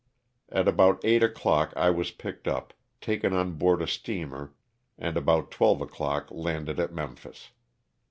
At about eight o'clock I was picked up, taken on board a steamer and about twelve o'clock landed at Memphis.